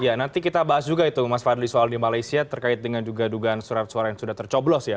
ya nanti kita bahas juga itu mas fadli soal di malaysia terkait dengan juga dugaan surat suara yang sudah tercoblos ya